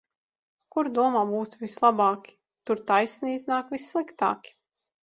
Kur domā būs vislabāki, tur taisni iznāk vissliktāki.